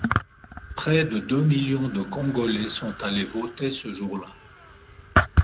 Près de deux millions de Congolais sont allés voter ce jour-là.